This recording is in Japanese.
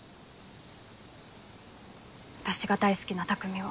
私が大好きな匠を。